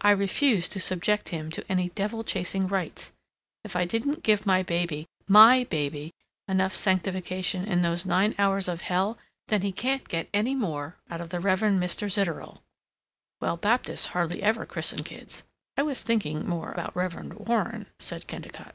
I refuse to subject him to any devil chasing rites! If I didn't give my baby MY BABY enough sanctification in those nine hours of hell, then he can't get any more out of the Reverend Mr. Zitterel!" "Well, Baptists hardly ever christen kids. I was kind of thinking more about Reverend Warren," said Kennicott.